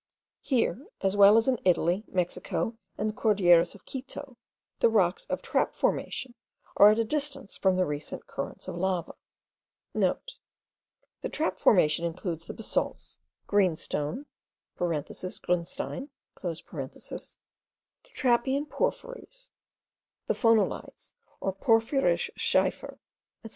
Here, as well as in Italy, Mexico, and the Cordilleras of Quito, the rocks of trap formation* are at a distance from the recent currents of lava (* The trap formation includes the basalts, green stone (grunstein), the trappean porphyries, the phonolites or porphyrschiefer, etc.)